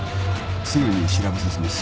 すぐに調べさせます。